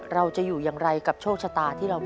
เราจะอยู่ยังไรกับโลกคิดลองไม่ชาญ